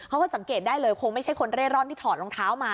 เขาก็สังเกตได้เลยคงไม่ใช่คนเร่ร่อนที่ถอดรองเท้ามา